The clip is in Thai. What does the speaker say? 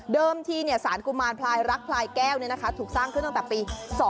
เดิมที่เนี่ยสารกุมารพลายรักพลายแก้วนะครับถูกสร้างขึ้นตั้งแต่ปี๒๕๑๕